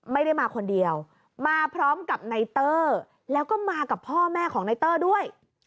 ไม่ได้มาคนเดียวมาพร้อมกับในเตอร์แล้วก็มากับพ่อแม่ของนายเตอร์ด้วย